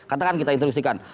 katakan kita introduksikan